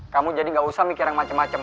kamu jadi gak usah mikir yang macem macem